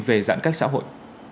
về giãn cách xã hội